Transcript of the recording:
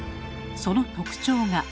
その特徴が。